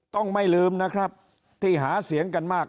ไม่ลืมนะครับที่หาเสียงกันมาก